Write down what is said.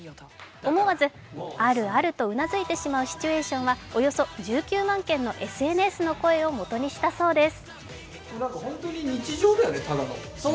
思わず、あるあるとうなずいてしまうシチュエーションはおよそ１９万件のＳＮＳの声をもとにしたそうです。